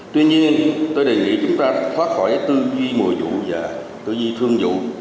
tuy nhiên tôi đề nghị chúng ta thoát khỏi tư duy mùa vụ và tư duy thương vụ